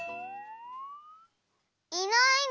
いないの？